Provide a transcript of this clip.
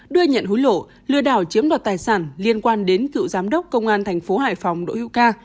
đưa nhận hối lộ lừa đảo chiếm đoạt tài sản liên quan đến cựu giám đốc công an thành phố hải phòng đỗ hiễu ca